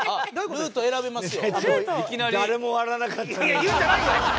ルート選べますよ。